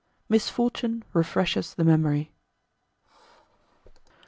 Misfortune refreshes the Memory.